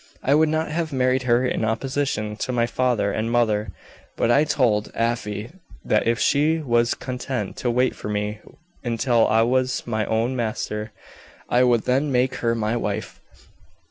I would not have married her in opposition to my father and mother; but I told Afy that if she was content to wait for me until I was my own master I would then make her my wife."